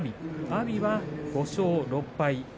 阿炎は５勝６敗。